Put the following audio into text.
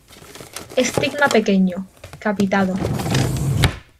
Estigma pequeño, capitado.